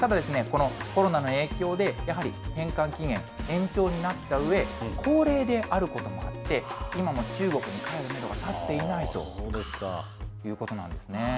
ただ、このコロナの影響で、やはり返還期限延長になったうえ、高齢であることもあって、今も中国に帰るメドがたっていないということなんですね。